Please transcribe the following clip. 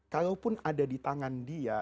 kalaupun ada di tangan dia